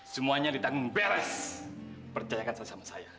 semuanya ditanggung beres percayakan sama sama saya